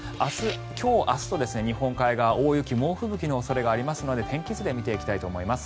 今日、明日と日本海側大雪、猛吹雪の恐れがありますので天気図で見ていきたいと思います。